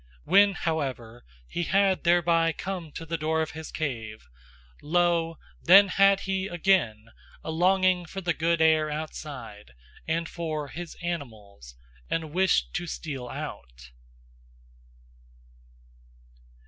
When however he had thereby come to the door of his cave, lo, then had he again a longing for the good air outside, and for his animals, and wished to steal out.